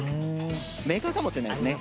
メーカーかもしれないですね。